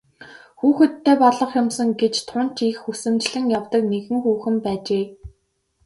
Хүүхэдтэй болох юмсан гэж тун ч их хүсэмжлэн явдаг нэгэн хүүхэн байжээ.